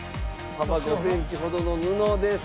幅５センチほどの布です。